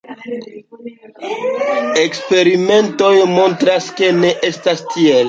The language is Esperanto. Eksperimentoj montras ke ne estas tiel.